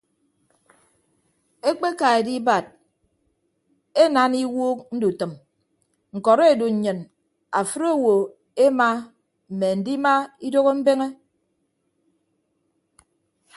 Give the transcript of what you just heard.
Ekpeka edibad enaana iwuuk ndutʌm ñkọrọ edu nnyin afịd owo ema mme andima idooho mbeñe.